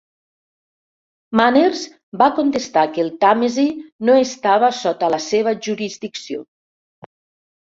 Manners va contestar que el Tàmesi no estava sota la seva jurisdicció.